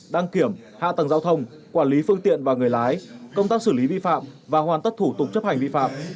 đăng kiểm hạ tầng giao thông quản lý phương tiện và người lái công tác xử lý vi phạm và hoàn tất thủ tục chấp hành vi phạm